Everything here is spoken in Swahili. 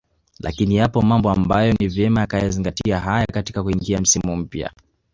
lakini yapo mambo ambayo ni vyema wakayazingatia haya katika kuingia msimu mpya